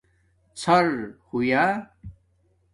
ݼر ہویا